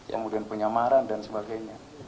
kemudian penyamaran dan sebagainya